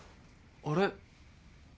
あれ？